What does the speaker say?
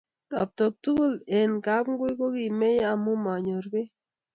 Taptook tugul eng kapngui kokimeiyo amu manyoor beek.